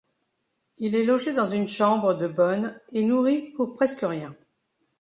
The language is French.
Il est logé dans une chambre de bonne et nourri pour presque rien.